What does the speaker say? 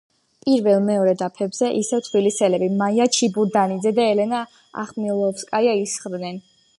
პირველ-მეორე დაფებზე ისევ თბილისელები, მაია ჩიბურდანიძე და ელენა ახმილოვსკაია ისხდნენ.